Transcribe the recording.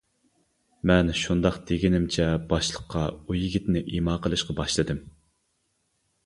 مەن شۇنداق دېگىنىمچە باشلىققا ئۇ يىگىتنى ئىما قىلىشقا باشلىدىم.